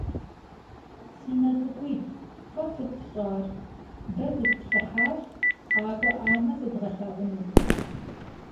Си нэ цӀыкӀуитӀ, фэ сыт фщӀар? - Дэ зытплъыхьащ, къакӀуэӀамэ зэдгъэлъэгъуну.